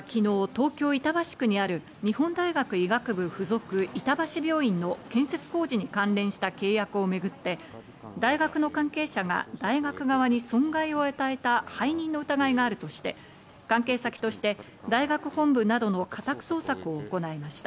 特捜部は昨日、東京・板橋区にある日本大学医学部付属板橋病院の建設工事に関連した契約をめぐって、大学の関係者が大学側に損害を与えた背任の疑いがあるとして、関係先として大学本部などの家宅捜索を行いました。